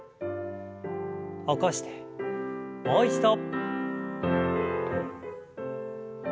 起こしてもう一度。